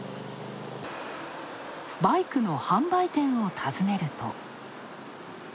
バイクの販売店を訪ねると。